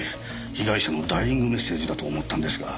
被害者のダイイングメッセージだと思ったんですが。